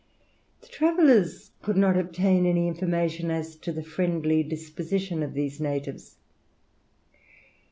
The travellers could not obtain any information as to the friendly disposition of these natives.